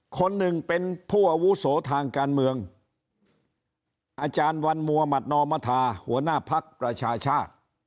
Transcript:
คนหนึ่งเป็นผู้อาวุโสทางการเมืองอาจารย์วันมัวหมัดนอมธาหัวหน้าภักดิ์ประชาชาติ